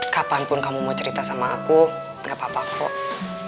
kapanpun kamu mau cerita sama aku gak apa apa kok